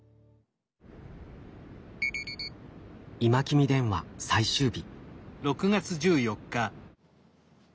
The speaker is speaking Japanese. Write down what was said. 「今君電話」最終日。